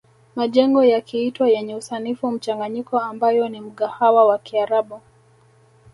Majengo yakiitwa yenye usanifu mchanganyiko ambayo ni mgahawa wa kiarabu